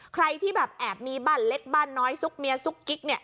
ใครที่แบบแอบมีบ้านเล็กบ้านน้อยซุกเมียซุกกิ๊กเนี่ย